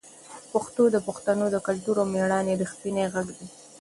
پښتو د پښتنو د کلتور او مېړانې رښتینې غږ ده.